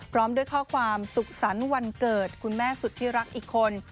พร้อมด้วยข้อความสุขสรรค์วันเกิดคุณแม่สุดที่รักอีกคน